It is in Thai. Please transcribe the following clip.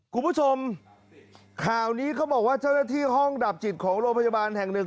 คุณผู้ชมข่าวนี้เขาบอกว่าเจ้าหน้าที่ห้องดับจิตของโรงพยาบาลแห่งหนึ่ง